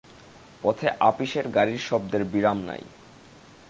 পথে আপিসের গাড়ির শব্দের বিরাম নাই।